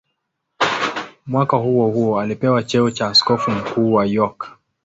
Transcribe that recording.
Mwaka huohuo alipewa cheo cha askofu mkuu wa York.